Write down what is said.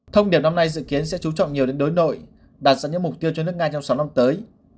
thông điệp năm nay dự kiến sẽ chú trọng nhiều đến đối nội đạt sẵn những mục tiêu cho nước nga trong sáu năm tới